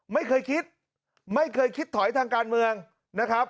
ไม่เคยคิดไม่เคยคิดถอยทางการเมืองนะครับ